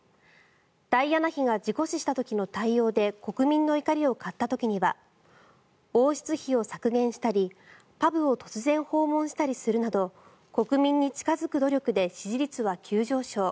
ダイアナ妃が事故死した時の対応で国民の怒りを買った時には王室費を削減したりパブを突然訪問したりするなど国民に近付く努力で支持率は急上昇。